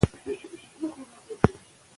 که علم په پښتو وي، نو پوهه تل لپاره قیمتي وي.